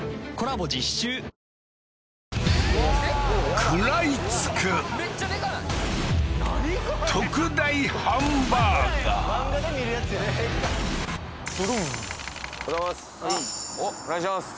はいお願いします